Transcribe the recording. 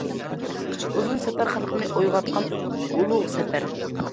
ئۇزۇن سەپەر خەلقنى ئويغاتقان ئۇلۇغ سەپەر.